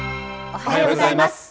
おはようございます。